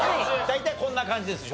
大体こんな感じです